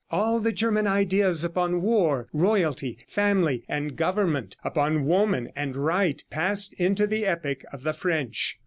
All the German ideas upon war, royalty, family and government, upon woman and right, passed into the epic of the French.